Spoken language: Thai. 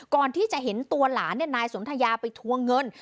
ก่อนที่จะเห็นตัวหลานนายสนทยาไปทวงเงิน